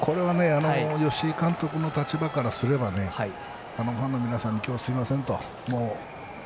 吉井監督の立場からすればファンの皆さん今日はすいませんと。